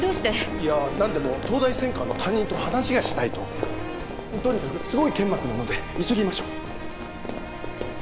いや何でも「東大専科の担任と話がしたい」ととにかくすごい剣幕なので急ぎましょう！